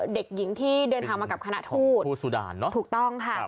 เด็กหญิงที่เดินทางมากับคณะทูตถูกต้องค่ะ